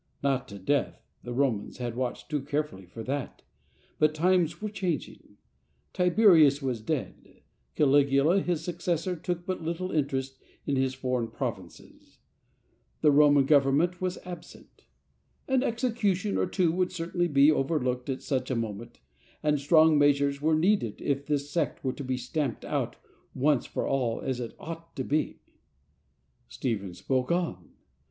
Not to death — the Romans had watched too carefully for that — ^but times were ; changing. Tiberius was dead; Caligula, his j f /:/::• suc<»sor, took but little interest in his foreign " AGAINST THE GOAD " ii provinces; the Roman Governor was absent. An execution or two would certainly be over looked at such a moment, and strong measures were needed if this sect were to be stamped out once for all as it ought to be. Stephen spoke on.